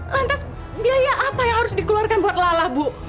lantas biaya apa yang harus dikeluarkan buat lala bu